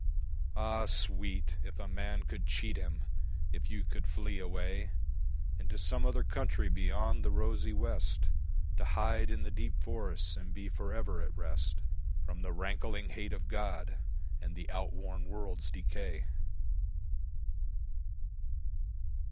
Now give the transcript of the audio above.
Ah, sweet, if a man could cheat him! If you could flee away Into some other country beyond the rosy West, To hide in the deep forests and be for ever at rest From the rankling hate of God and the outworn world's decay!